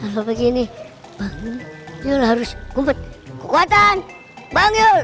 kalau begini bang yul harus kumpet kekuatan bang yul